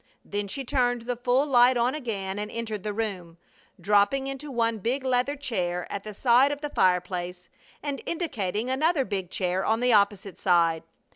Then she turned the full light on again and entered the room, dropping into one big leather chair at the side of the fireplace and indicating another big chair on the opposite side.